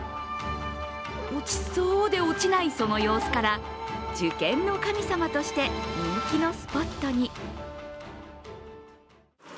落ちそうで落ちないその様子から受験の神様として人気のスポットに。